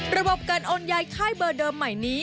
ระบบการโอนย้ายค่ายเบอร์เดิมใหม่นี้